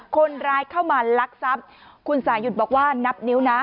คนร้ายเข้ามาลักทรัพย์คุณสายุทธ์บอกว่านับนิ้วนะ